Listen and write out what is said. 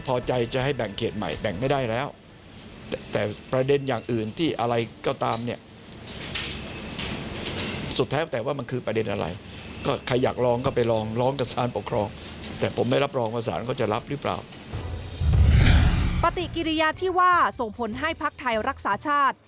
ปฏิกิริยาที่ว่าส่งผลให้พักไทยรักษาชาติ